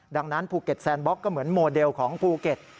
ดังนั้นภูเก็ตแซนบล็อกก็เหมือนโมเดลของภูเก็ต